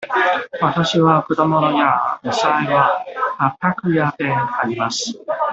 わたしは果物や野菜は八百屋で買います。